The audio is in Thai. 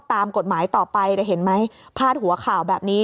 ตามกฎหมายต่อไปแต่เห็นไหมพาดหัวข่าวแบบนี้